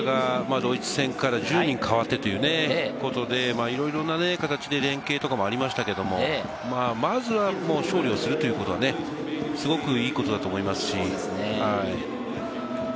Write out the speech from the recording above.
メンバーがドイツ戦から１０人代わってということでいろいろな形で連係とかもありましたけれども、まずは勝利をするということは、すごくいいことだと思いますし。